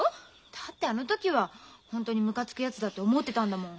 だってあの時はホントにむかつくやつだと思ってたんだもん。